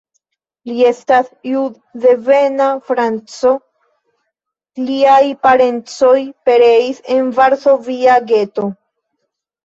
Li estas jud-devena franco, liaj parencoj pereis en Varsovia geto.